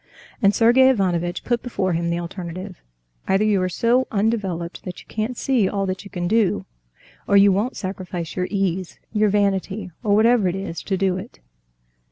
And Sergey Ivanovitch put before him the alternative: either you are so undeveloped that you can't see all that you can do, or you won't sacrifice your ease, your vanity, or whatever it is, to do it.